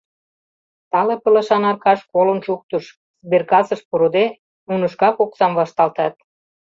Тале пылышан Аркаш колын шуктыш: сберкассыш пурыде, нуно шкак оксам вашталтат.